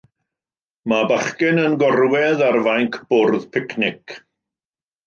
Mae bachgen yn gorwedd ar fainc bwrdd picnic.